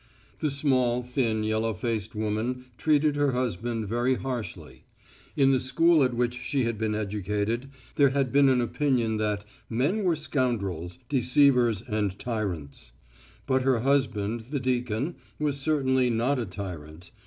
This small, thin, yellow faced woman treated her husband very harshly. In the school at which she had been educated there had been an opinion that men were scoundrels, deceivers, and tyrants. But her husband, the deacon, was certainly not a tyrant.